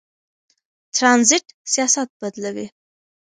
ترانزیت سیاست بدلوي.